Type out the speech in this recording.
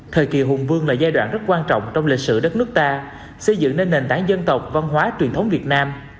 thời kỳ hùng vương là giai đoạn rất quan trọng trong lịch sử đất nước ta xây dựng nên nền tảng dân tộc văn hóa truyền thống việt nam